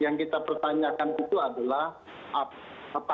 yang kita pertanyakan itu adalah apa